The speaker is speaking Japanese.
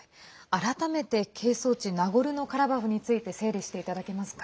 改めて係争地ナゴルノカラバフについて整理していただけますか。